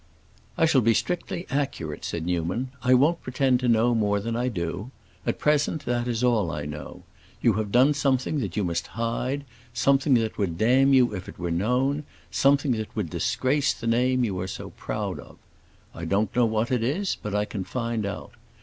"I shall be strictly accurate," said Newman. "I won't pretend to know more than I do. At present that is all I know. You have done something that you must hide, something that would damn you if it were known, something that would disgrace the name you are so proud of. I don't know what it is, but I can find out.